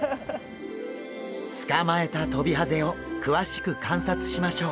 捕まえたトビハゼを詳しく観察しましょう。